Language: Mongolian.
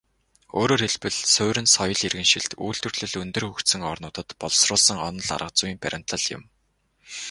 Өөрөөр хэлбэл, суурин соёл иргэншилт, үйлдвэрлэл өндөр хөгжсөн орнуудад боловсруулсан онол аргазүйн баримтлал юм.